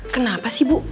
kenapa sih bu